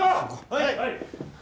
はい。